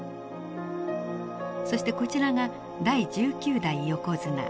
そしてこちらが第１９代横綱常陸山。